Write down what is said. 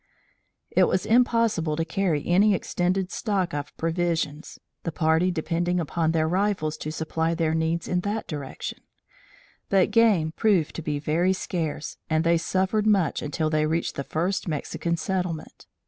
It was impossible to carry any extended stock of provisions, the party depending upon their rifles to supply their needs in that direction; but game proved to be very scarce and they suffered much until they reached the first Mexican settlement.